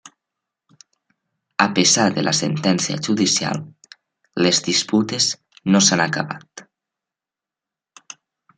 A pesar de la sentència judicial, les disputes no s'han acabat.